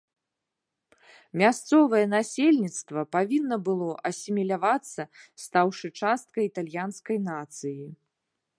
Мясцовае насельніцтва павінна было асімілявацца, стаўшы часткай італьянскай нацыі.